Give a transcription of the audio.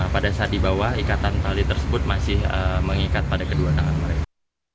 pada saat di bawah ikatan tali tersebut masih mengikat pada kedua tangan mereka